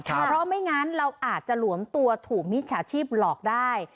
เพราะไม่งั้นเราอาจจะหลวมตัวถูกมิจฉาชีพหลอกได้